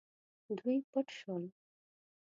دوی پټ شول.